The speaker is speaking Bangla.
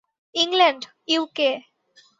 England, UK.